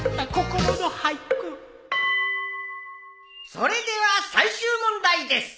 それでは最終問題です！